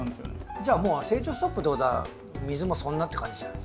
じゃあもう成長ストップってことは水もそんなって感じじゃないですか。